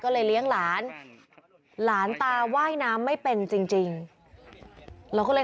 ก็เลยเลี้ยงหลานหลานตาว่ายน้ำไม่เป็นจริงเราก็เลย